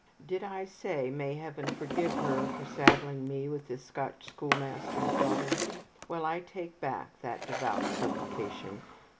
Did I say, "May Heaven forgive her" for saddling me with this Scotch schoolmaster's daughter? Well, I take back that devout supplication.